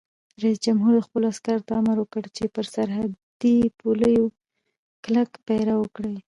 رئیس جمهور خپلو عسکرو ته امر وکړ؛ پر سرحدي پولو کلک پیره وکړئ!